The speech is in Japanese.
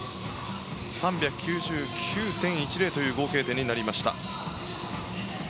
３９９．１０という合計点になりました。